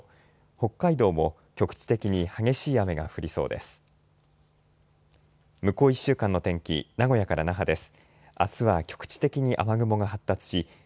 北海道も局地的に激しい雨が降りそうです。